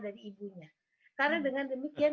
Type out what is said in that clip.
dari ibunya karena dengan demikian